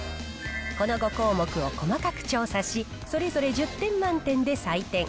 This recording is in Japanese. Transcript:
この５項目を細かく調査し、それぞれ１０点満点で採点。